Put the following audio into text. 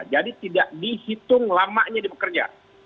jadi tidak dihitung lamanya di pekerja